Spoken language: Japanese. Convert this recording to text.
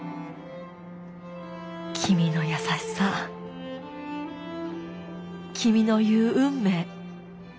「君のやさしさ君の言う運命。